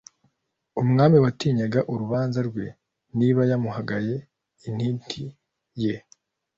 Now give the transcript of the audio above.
umwami watinyaga urubanza rwe nabi yahamagaye intiti ye